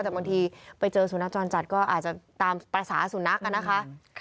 แต่บางทีไปเจอสุนัขจรจัดก็อาจจะตามภาษาสุนัขนะคะ